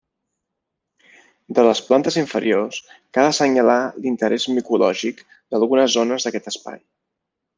De les plantes inferiors, cal assenyalar l'interès micològic d'algunes zones d'aquest espai.